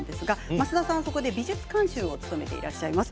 増田さんは、そこで美術監修を務めていらっしゃいます。